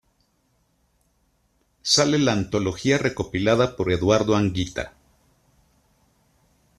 Sale la "Antología", recopilada por Eduardo Anguita.